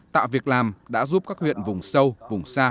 tạo việc làm đã giúp các huyện vùng sâu vùng xa